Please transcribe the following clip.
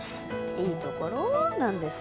いいところなんですかね？